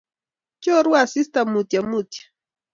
choru asista mutyomutyo